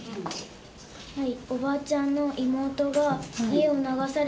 はい。